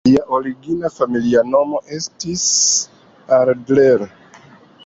Lia origina familia nomo estis "Adler".